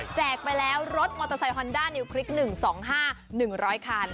ไปแล้วรถมอเตอร์ไซคอนด้านิวพริก๑๒๕๑๐๐คัน